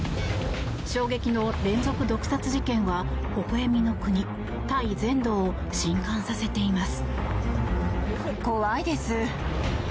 衝撃の連続毒殺事件はほほ笑みの国タイ全土を震撼させています。